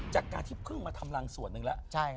จากการที่เพิ่งมาทำรังส่วนหนึ่งแล้ว